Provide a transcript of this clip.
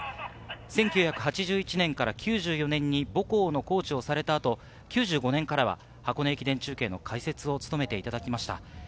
１９８１年から９４年に母校のコーチをされた後、９５年からは箱根駅伝中継の解説を務めていただきました。